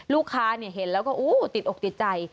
ลูกค้าเห็นแล้วก็อู้ติดอกติดใจ